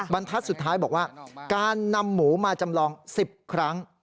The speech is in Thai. บรรทัศน์สุดท้ายบอกว่าการนำหมูมาจำลอง๑๐ครั้ง